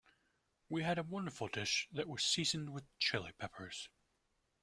We had a wonderful dish that was seasoned with Chili Peppers.